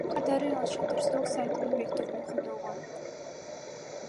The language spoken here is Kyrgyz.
Уңгу катары ал Шаттерсток сайтынын векторун колдонгон.